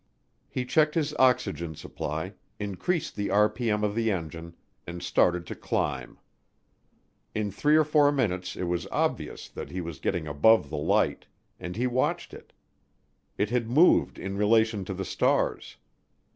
He checked his oxygen supply, increased the r.p.m. of the engine, and started to climb. In three or four minutes it was obvious that he was getting above the light, and he watched it; it had moved in relation to the stars.